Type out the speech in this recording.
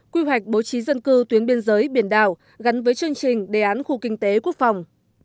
quy hoạch bố trí dân cư tuyến biên giới biển đảo gắn với chương trình đề án khu kinh tế quốc phòng